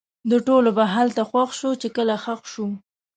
د ټولو به هلته خوښ شو؛ چې کله ښخ سو